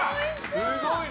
すごいね。